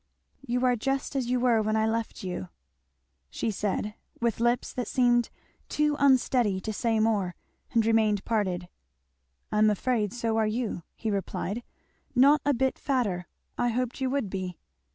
"You are just as you were when I left you! " she said, with lips that seemed too unsteady to say more, and remained parted. "I am afraid so are you," he replied; "not a bit fatter. I hoped you would be."